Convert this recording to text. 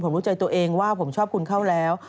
ผมรู้ใจตัวเองว่าผมชอบคุณเข้าแล้ว